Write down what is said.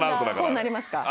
こうなりますか？